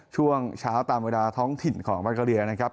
ช่วงเช้าตามเวลาท้องถิ่นของมากาเลียนะครับ